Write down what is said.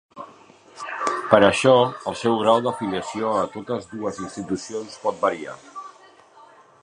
Per això, el seu grau d'afiliació a totes dues institucions pot variar.